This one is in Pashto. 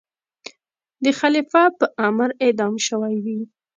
د خلیفه په امر اعدام شوی وي.